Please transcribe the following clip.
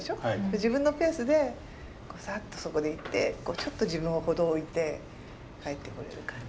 自分のペースでさっとそこに行ってちょっと自分をほどいて帰ってこれる感じ。